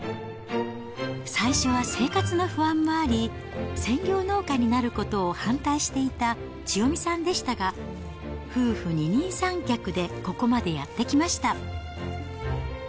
最初は生活の不安もあり、専業農家になることを反対していた千代美さんでしたが、夫婦二人三脚でここまでやってきました。